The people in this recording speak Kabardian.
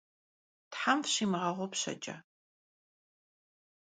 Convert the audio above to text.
Them fşimığeğupşeç'e.